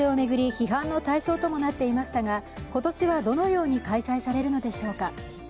批判の対象ともなっていましたが今年はどのように開催されるのでしょうか。